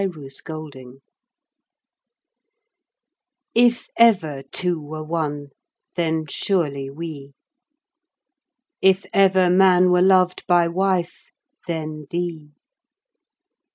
7 Autoplay If ever two were one, then surely we. If ever man were lov'd by wife, then thee.